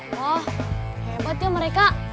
wah hebat ya mereka